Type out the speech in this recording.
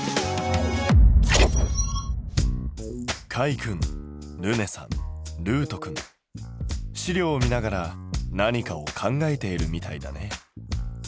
カイ君ルネさんるうと君資料を見ながら何かを考えているみたいだね。